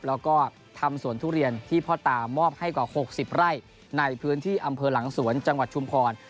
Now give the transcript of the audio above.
แล้วก็ทำสวนทุเรียนที่พ่อตามอบให้กว่า๖๐ไร่ในพื้นที่อำเภอหลังสวนจังหวัดชุมพร